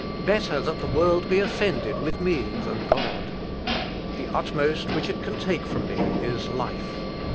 Better that the world be offended with me than God!... The utmost which it can take from me is life.